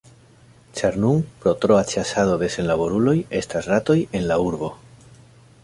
Ĉar nun, pro troa ĉasado de senlaboruloj, estas ratoj en la urbo.